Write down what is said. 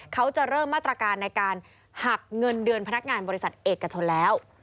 เขาจะเริ่มมาตรการในการหักเงินเดือนพนักงานบริษัทเอกชนแล้ว